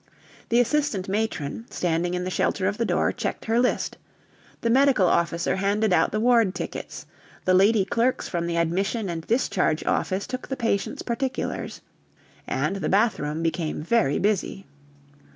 The Assistant Matron, standing in the shelter of the door, checked her list; the Medical Officer handed out the ward tickets; the lady clerks from the Admission and Discharge Office took the patients' particulars. And the bathroom became very busy.